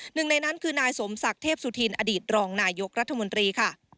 หนึ่งในนั้นคือนายสมศักดิ์เทพสุธินอดีตรองนายกรัฐมนตรีค่ะ